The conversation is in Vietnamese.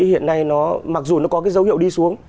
hiện nay nó mặc dù nó có cái dấu hiệu đi xuống